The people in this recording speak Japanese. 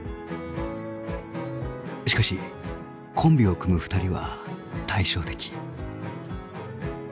しかしコンビを組む２人は対照的。